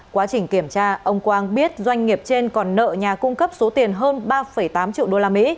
quá trình kiểm tra ông quang biết doanh nghiệp trên còn nợ nhà cung cấp số tiền hơn ba tám triệu usd